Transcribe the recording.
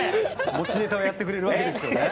持ちネタをやってくれるわけですよね。